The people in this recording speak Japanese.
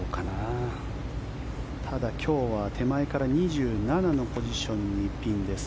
ただ、今日は手前から２７のポジションにピンです。